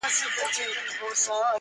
په هوا کي ماڼۍ نه جوړېږي.